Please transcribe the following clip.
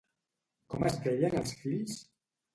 Com es deien els fills?